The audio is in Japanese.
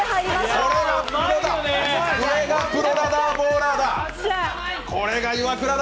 これがプロラダーボーラーだ！